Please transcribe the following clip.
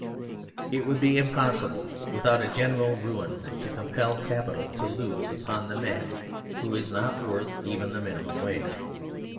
It would be impossible, without a general ruin, to compel capital to lose upon the man who is not worth even the minimum wage.